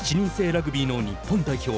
ラグビーの日本代表。